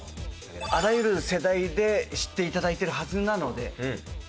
あらゆる世代で知って頂いてるはずなので。